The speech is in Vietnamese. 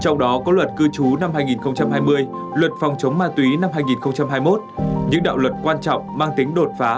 năm hai nghìn hai mươi luật phòng chống ma túy năm hai nghìn hai mươi một những đạo luật quan trọng mang tính đột phá